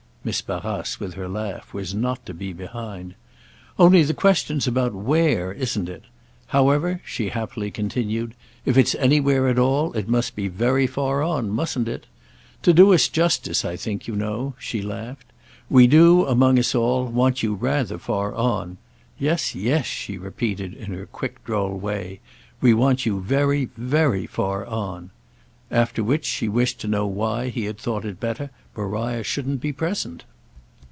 —Miss Barrace, with her laugh, was not to be behind. "Only the question's about where, isn't it? However," she happily continued, "if it's anywhere at all it must be very far on, mustn't it? To do us justice, I think, you know," she laughed, "we do, among us all, want you rather far on. Yes, yes," she repeated in her quick droll way; "we want you very, very far on!" After which she wished to know why he had thought it better Maria shouldn't be present.